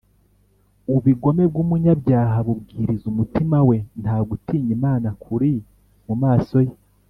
Ubigome bw’umunyabyaha bubwiriza umutima we, nta gutinya imana kuri mu maso ye